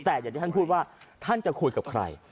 แต่อย่างที่ท่านพูดว่าท่านจะคุยกับใคร